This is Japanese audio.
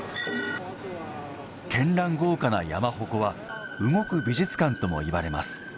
絢爛豪華な山鉾は動く美術館ともいわれます。